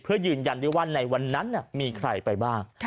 เพื่อยืนยันได้ว่าในวันนั้นมีใครไปบ้าง